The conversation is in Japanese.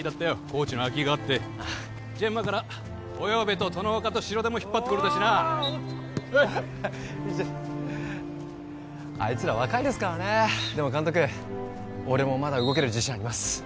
コーチの空きがあってジェンマから及部と外岡と城出も引っ張ってこれたしなあいつら若いですからねでも監督俺もまだ動ける自信あります